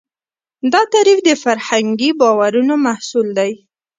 دا تعریف د فرهنګي باورونو محصول دی.